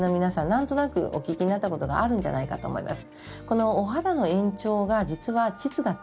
なんとなくお聞きになったことがあるんじゃないかと思います。